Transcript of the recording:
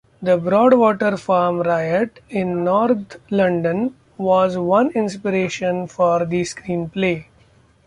The Broadwater Farm Riot, in north London, was one inspiration for the screenplay.